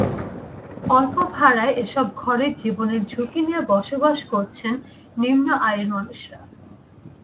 অল্প ভাড়ায় এসব ঘরে জীবনের ঝুঁকি নিয়ে বসবাস করছেন নিম্ন আয়ের মানুষেরা।